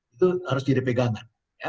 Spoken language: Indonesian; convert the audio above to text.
itu harus jadi pegangan